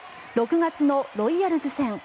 ６月のロイヤルズ戦。